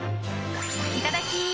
いただき！